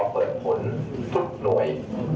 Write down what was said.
เปิดผลทุกหน่วย